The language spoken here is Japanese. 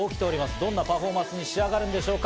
どんなパフォーマンスに仕上がるでしょうか。